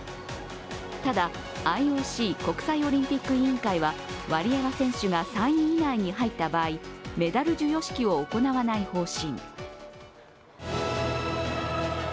ただ、ＩＯＣ＝国際オリンピック委員会はワリエワ選手が３位以内に入った場合、メダル授与式を行わない方針。